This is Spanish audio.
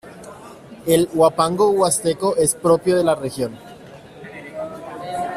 El Huapango Huasteco es propio de la región.